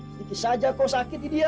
sedikit saja kau sakiti dia